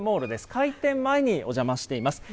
開店前にお邪魔しています。